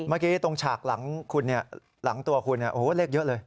เมื่อกี้ตรงฉากหลังคุณเนี่ยหลังตัวคุณเนี่ยโอ้โหเลขเยอะเลย